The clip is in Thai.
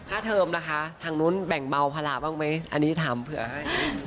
เทอมนะคะทางนู้นแบ่งเบาภาระบ้างไหมอันนี้ถามเผื่อให้